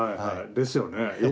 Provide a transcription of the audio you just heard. ですよね。